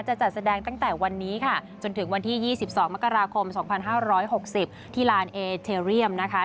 จะจัดแสดงตั้งแต่วันนี้ค่ะจนถึงวันที่๒๒มกราคม๒๕๖๐ที่ลานเอเทเรียมนะคะ